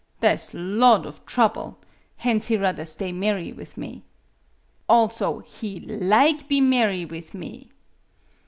Tha' 's lot of trouble; hence he rather stay marry with me. Also, he lig be marry with me.